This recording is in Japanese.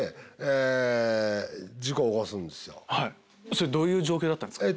それどういう状況だったんですか？